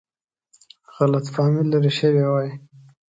غلط فهمي لیرې شوې وای.